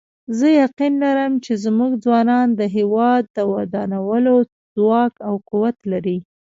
زه یقین لرم چې زموږ ځوانان د هیواد د ودانولو ځواک او قوت لري